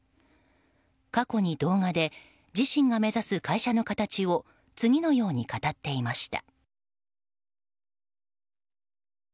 過去に動画で自身が目指す会社の形を次のように語っていました。